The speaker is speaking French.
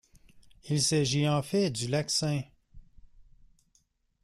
Il s’agit en fait du lac St.